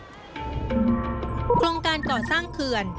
โครงการก่อสร้างเขื่อน